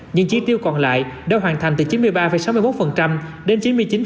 những chỉ tiêu còn lại đã hoàn thành từ chín mươi ba sáu mươi một đến chín mươi chín